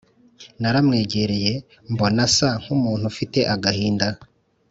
naramwegereye mbona asa nk’umuntu ufite agahinda